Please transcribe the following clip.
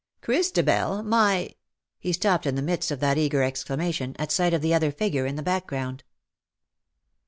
" Christabel — my " He stopped in the midst of that eager exclamation, at sight of the other figure in the background.